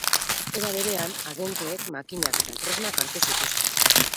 Era berean, agenteek makinak eta tresnak hartu zituzten.